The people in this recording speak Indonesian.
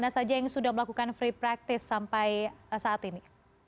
mana saja yang sudah melakukan free practice sampai saat ini